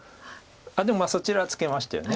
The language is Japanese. でもそちらツケましたよね。